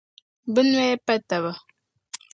Bɛ nɔya pa taba.